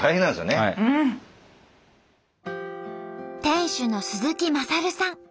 店主の鈴木勝さん